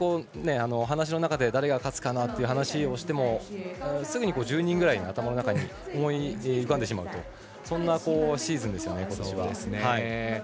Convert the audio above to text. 話の中で誰が勝つかなという話をしてもすぐに１０人ぐらい頭の中に思い浮かんでしまうそんなシーズンですね、今年は。